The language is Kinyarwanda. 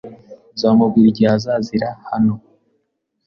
Nzamubwira igihe azazira hano.